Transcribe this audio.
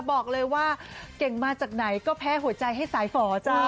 บอกเลยว่าเก่งมาจากไหนก็แพ้หัวใจให้สายฝ่อจ้า